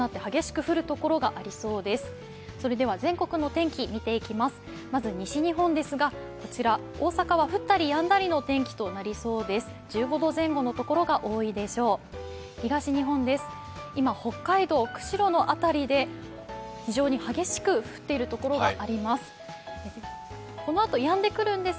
東日本です、今、北海道釧路の辺りで非常に激しく降っているところがあります。